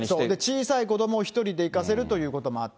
小さい子ども１人で行かせるということもあった。